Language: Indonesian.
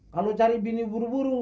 kalau cari bini buru buru